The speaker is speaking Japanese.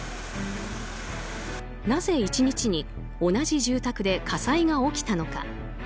なぜ１日に同じ住宅で火災が起きたのか。